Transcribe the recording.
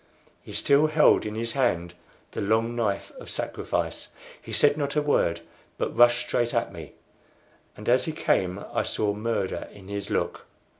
He still held in his hand the long knife of sacrifice. He said not a word, but rushed straight at me, and as he came I saw murder in his look.